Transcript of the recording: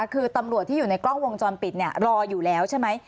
คือตำรวจที่อยู่ในกล้องวงจรปิดรออยู่แล้วใช่ไหม